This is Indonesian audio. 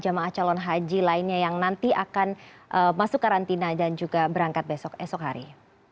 atau bagaimana cara menghaji lainnya yang nanti akan masuk karantina dan juga berangkat besok esok hari